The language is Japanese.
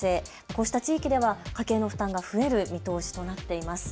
こうした地域では家計の負担が増える見通しとなっています。